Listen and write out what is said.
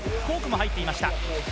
コークも入っていました。